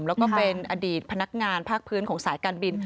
แล้วก็เป็นอดีตพนักงานภาคพื้นของสายการบิน